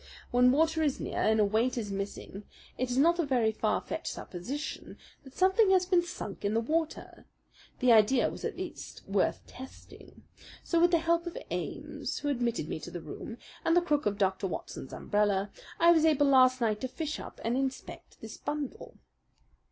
When water is near and a weight is missing it is not a very far fetched supposition that something has been sunk in the water. The idea was at least worth testing; so with the help of Ames, who admitted me to the room, and the crook of Dr. Watson's umbrella, I was able last night to fish up and inspect this bundle.